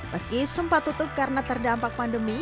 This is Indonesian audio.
meski sempat tutup karena terdampak pandemi